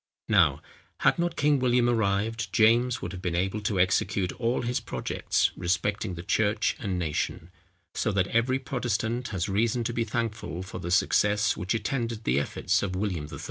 Now, had not King William arrived, James would have been able to execute all his projects respecting the church and nation; so that every Protestant has reason to be thankful for the success, which attended the efforts of William III.